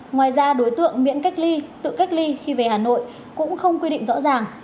ngoài ra đối tượng miễn cách ly tự cách ly khi về hà nội cũng không quy định rõ ràng